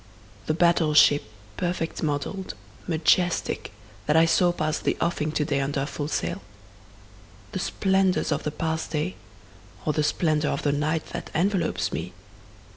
The battle ship, perfect model'd, majestic, that I saw pass the offing to day under full sail? The splendors of the past day? Or the splendor of the night that envelopes me?